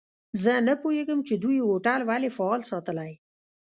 زه نه پوهیږم چي دوی هوټل ولي فعال ساتلی.